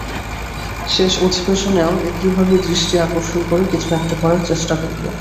শেষ অধিবেশনেও একইভাবে দৃষ্টি আকর্ষণ করে কিছু একটা করার চেষ্টা করব।